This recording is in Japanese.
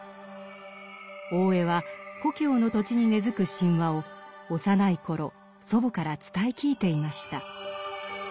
大江は故郷の土地に根づく神話を幼い頃祖母から伝え聞いていました。